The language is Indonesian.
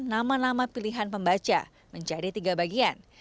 nama nama pilihan pembaca menjadi tiga bagian